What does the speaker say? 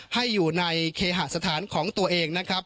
ให้อยู่ในเคหสถานของตัวเองนะครับ